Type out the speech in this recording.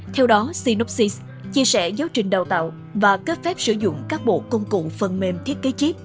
theo đó synopsis chia sẻ giáo trình đào tạo và cấp phép sử dụng các bộ công cụ phần mềm thiết kế chip